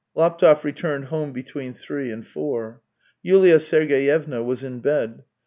Laptev returned home between three and four. Yulia Sergeyevna was in bed.